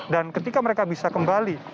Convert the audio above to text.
dan ketika mereka bisa kembali